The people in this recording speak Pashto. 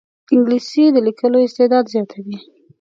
انګلیسي د لیکلو استعداد زیاتوي